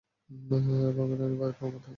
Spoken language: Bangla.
বামে, ডানে, এরপর মাথায়।